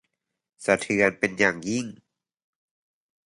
สะเทือนเป็นอย่างยิ่ง